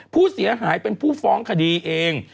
ผู้เสียหายเป็นผู้ฟ้องคดีเอง